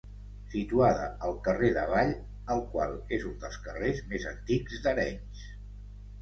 Situada al carrer d'Avall el qual és un dels carrers més antics d'Arenys.